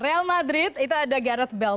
real madrid itu ada gareth bale